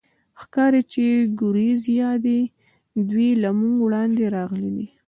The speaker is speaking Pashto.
ښکاري، چې د ګوریزیا دي، دوی له موږ وړاندې راغلي دي.